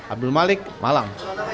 abdul malik malam